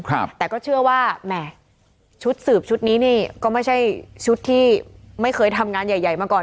ครับแต่ก็เชื่อว่าแหม่ชุดสืบชุดนี้นี่ก็ไม่ใช่ชุดที่ไม่เคยทำงานใหญ่ใหญ่มาก่อน